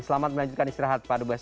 selamat melanjutkan istirahat pak dubes